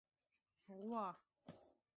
🐄 غوا